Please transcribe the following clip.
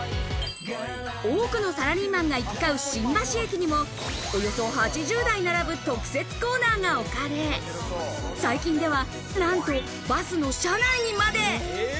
多くのサラリーマンが行き交う新橋駅にも、およそ８０台並ぶ特設コーナーが置かれ、最近ではなんとバスの車内にまで。